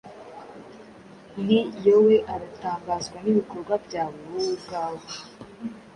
Ii yoe aratangazwa nibikorwa byawe, wowe ubwawe